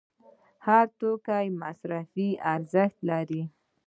هر توکی مصرفي ارزښت لري.